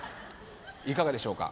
いかがでしょうか